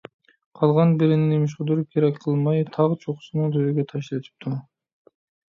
قالغان بىرىنى نېمىشقىدۇر كېرەك قىلماي، تاغ چوققىسىنىڭ تۈۋىگە تاشلىۋېتىپتۇ.